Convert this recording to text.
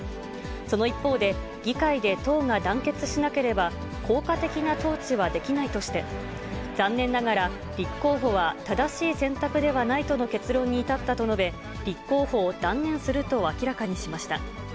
その一方で、議会で党が団結しなければ効果的な統治はできないとして、残念ながら、立候補は正しい選択ではないとの結論に至ったと述べ、立候補を断念すると明らかにしました。